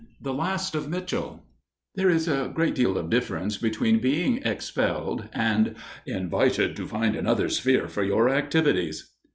THE LAST OF MITCHELL There is a great deal of difference between being expelled and "invited to find another sphere for your activities."